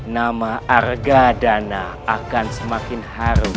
nama arga dana akan semakin harum